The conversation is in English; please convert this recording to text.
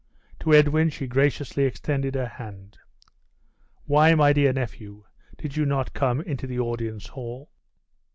To Edwin she graciously extended her hand. "Why, my dear nephew, did you not come into the audience hall?"